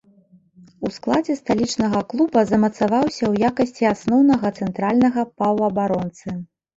У складзе сталічнага клуба замацаваўся ў якасці асноўнага цэнтральнага паўабаронцы.